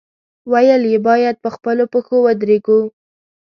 ویل یې، باید په خپلو پښو ودرېږو.